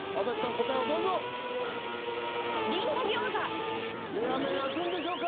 答えをどうぞレア面あくんでしょうか・